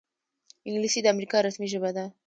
انګلیسي د امریکا رسمي ژبه ده